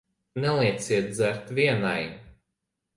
Nelieciet dzert vienai.